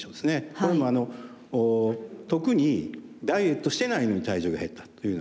これも特にダイエットしてないのに体重が減ったというようなこと。